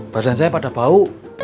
badan saya pada bau